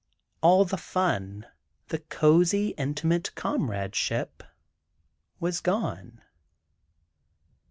All the fun, the cozy, intimate comradeship, was gone.